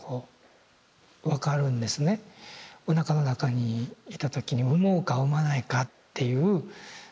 おなかの中にいた時に産もうか産まないかっていう。